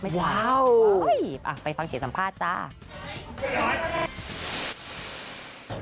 ไม่ทันอุ้ยไปฟังเหตุสัมภาษณ์จ้าว้าว